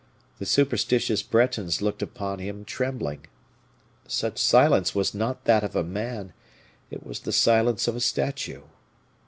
The superstitious Bretons looked upon him, trembling. Such silence was not that of a man, it was the silence of a statue.